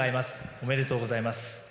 おめでとうございます。